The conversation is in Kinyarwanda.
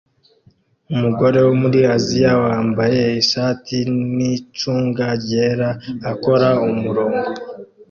Umugore wo muri Aziya wambaye ishati nicunga ryera akora umurongo